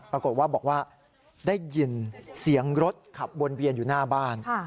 ปรากฏว่าบอกว่าได้ยินเสียงรถขับวนเวียนอยู่หน้าบ้าน